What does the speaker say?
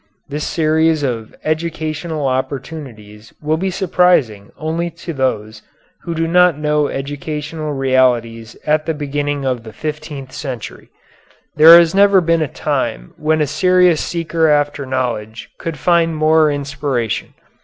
This series of educational opportunities will be surprising only to those who do not know educational realities at the beginning of the fifteenth century. There has never been a time when a serious seeker after knowledge could find more inspiration.